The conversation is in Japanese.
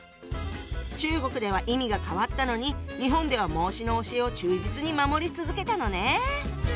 中国では意味が変わったのに日本では孟子の教えを忠実に守り続けたのね。